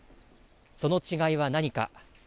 その違いは何か。